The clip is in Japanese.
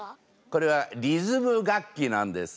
これはリズム楽器なんです。